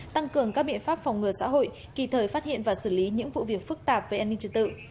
tăng cường các biện pháp phòng ngừa xã hội kịp thời phát hiện và xử lý những vụ việc phức tạp về an ninh trật tự